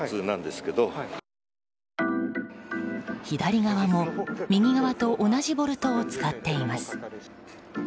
左側も右側と同じボルトを使っています。